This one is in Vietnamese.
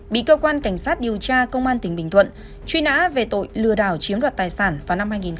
bị cơ quan cảnh sát điều tra công an tỉnh bình thuận truy nã về tội lừa đảo chiếm đoạt tài sản vào năm hai nghìn một mươi